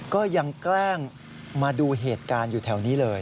แกล้งมาดูเหตุการณ์อยู่แถวนี้เลย